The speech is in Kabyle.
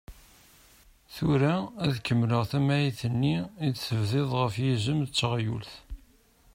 Tura ad kemmleɣ tamɛayt-nni i d-tebdiḍ ɣef yizem d teɣyult.